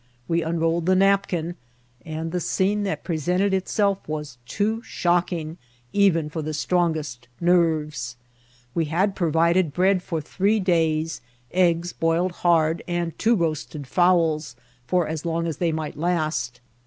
We unrolled the nap kin, and the scene that presented itself was too shock ing, even for the strongest nerves. We had provided bread for three days, eggs boiled hard, and two roasted fowls for as long as they might last.